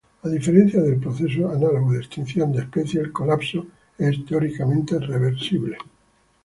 A diferencia del proceso análogo de extinción de especies, el colapso es teóricamente reversible.